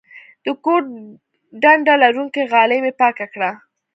د کور ډنډه لرونکې غالۍ مې پاکه کړه.